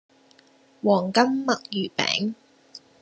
黃金墨魚餅